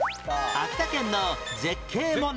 秋田県の絶景問題